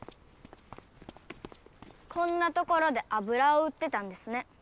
こんなところであぶらを売ってたんですね。